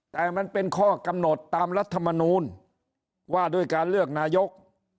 แต่มันเป็นข้อกำหนดตามรัฐมนูลว่าด้วยการเลือกนายก